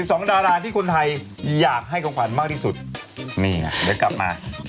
ชอบไม่ใช่เหลือก็ว่ากลิ่นหอม